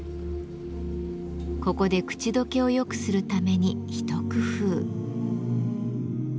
ここで口溶けを良くするために一工夫。